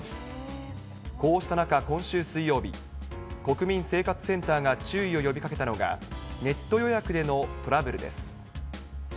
こうした中、今週水曜日、国民生活センターが注意を呼びかけたのが、ネット予約でのトラブルです。